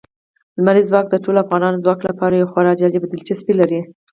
لمریز ځواک د ټولو افغان ځوانانو لپاره یوه خورا جالب دلچسپي لري.